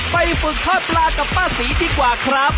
ไปฝึกทอดปลากับป้าศรีดีกว่าครับ